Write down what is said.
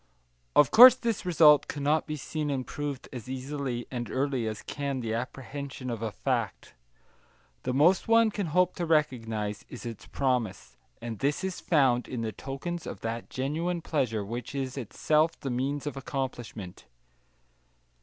Of course this result cannot be seen and proved as easily and early as can the apprehension of a fact. The most one can hope to recognise is its promise, and this is found in the tokens of that genuine pleasure which is itself the means of accomplishment.